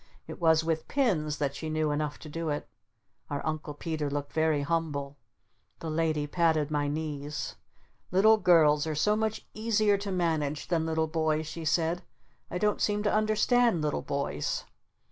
It was with pins that she knew enough to do it. Our Uncle Peter looked very humble. The Lady patted my knees. "Little girls are so much easier to manage than little boys," she said. "I don't seem to understand little boys."